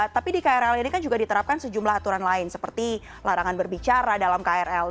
tapi di krl ini kan juga diterapkan sejumlah aturan lain seperti larangan berbicara dalam krl